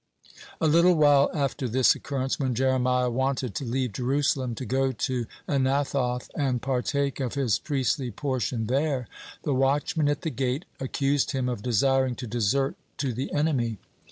(17) A little while after this occurrence, when Jeremiah wanted to leave Jerusalem to go to Anathoth and partake of his priestly portion there, the watchman at the gate accused him of desiring to desert to the enemy.